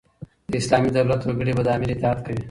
د اسلامي دولت وګړي به د امیر اطاعت کوي.